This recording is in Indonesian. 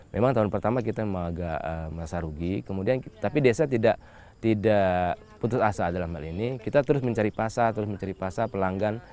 memang tahun pertama kita memang agak merasa rugi kemudian tapi desa tidak putus asa dalam hal ini kita terus mencari pasar terus mencari pasar pelanggan